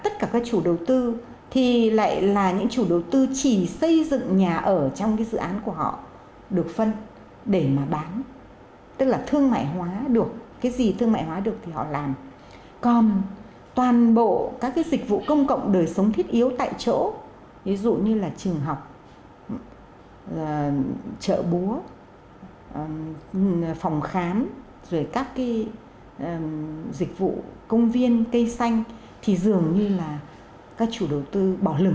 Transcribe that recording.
trường học chợ búa phòng khán rồi các dịch vụ công viên cây xanh thì dường như là các chủ đầu tư bỏ lừng